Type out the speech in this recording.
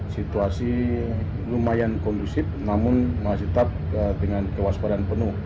situasi lumayan kondusif namun masih tetap dengan kewaspadaan penuh